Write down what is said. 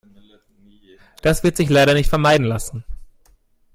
Das wird sich leider nicht vermeiden lassen.